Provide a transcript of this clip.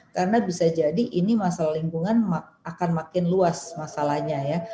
karena bisa jadi ini masalah lingkungan akan makin luas masalahnya ya